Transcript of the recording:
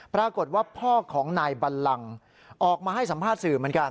ปรากฏว่าพ่อของนายบัลลังออกมาให้สัมภาษณ์สื่อเหมือนกัน